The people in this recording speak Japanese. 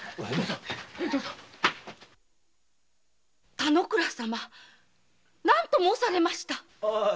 田之倉様何と申されました？